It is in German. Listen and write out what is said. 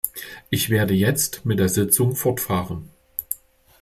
Ich werde jetzt mit der Sitzung fortfahren.